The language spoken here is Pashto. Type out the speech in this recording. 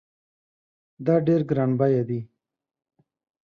دا ډېر ګران بیه دی